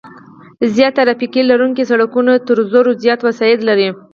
زیات ترافیک لرونکي سرکونه تر زرو زیات وسایط لري